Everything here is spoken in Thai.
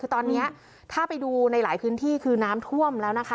คือตอนนี้ถ้าไปดูในหลายพื้นที่คือน้ำท่วมแล้วนะคะ